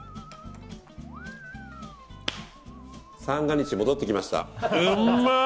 三が日が戻ってきました。